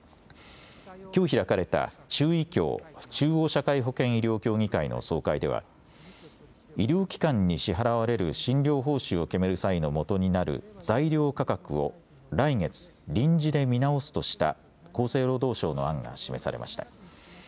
きょう開かれた中医協・中央社会保険医療協議会の総会では医療機関に支払われる診療報酬を決める際のもとになる材料価格を来月、臨時で見直すとした厚生労働省の案が示されました。